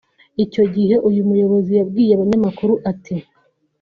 Icyo gihe uyu muyobozi yabwiye abanyamakuru ati